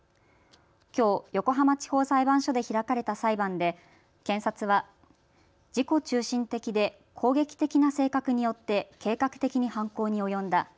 きょう横浜地方裁判所で開かれた裁判で検察は自己中心的で攻撃的な性格によって計画的に犯行に及んだ。